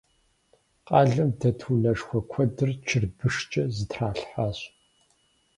Къалэм дэт унэшхуэ куэдыр чырбышкӏэ зэтралъхьащ.